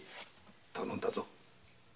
頼んだぞ。